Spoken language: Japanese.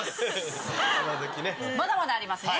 まだまだありますね。